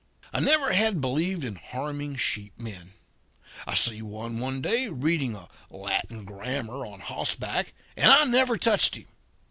"I never had believed in harming sheep men. I see one, one day, reading a Latin grammar on hossback, and I never touched him!